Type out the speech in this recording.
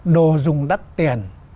đồ dùng đắt tiền